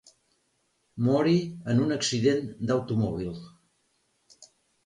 Mori en un accident d'automòbil.